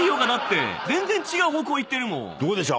どうでしょう？